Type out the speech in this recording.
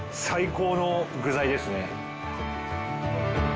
最高の具材ですね。